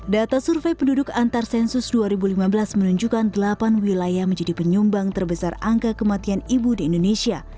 data survei penduduk antarsensus dua ribu lima belas menunjukkan delapan wilayah menjadi penyumbang terbesar angka kematian ibu di indonesia